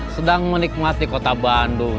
sedang menikmati kota bandung